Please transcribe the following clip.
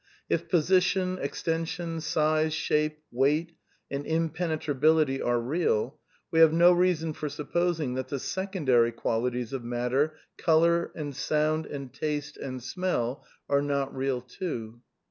If position, extension, size, shape, weight and impenetrability are real, we have no reason for supposing that the secondary qualities of matter: colour, and sound and taste and smell are not real too.